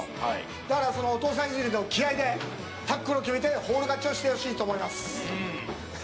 だからお父さん譲りの気合でタックルを決めてフォール勝ちをしてほしいですね。